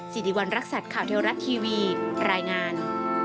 สิริวัณรักษัตริย์ข่าวเทวรัฐทีวีรายงาน